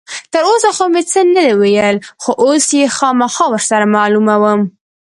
تر اوسه خو مې څه نه ویل، خو اوس یې خامخا ور سره معلوموم.